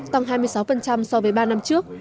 tăng hai mươi sáu so với ba năm trước